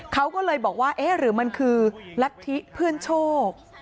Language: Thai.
เขาก็เลยบอกว่าเอ๊ะหรือมันคือลัทธิเพื่อนโชค